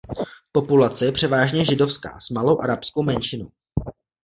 Populace je převážně židovská s malou arabskou menšinou.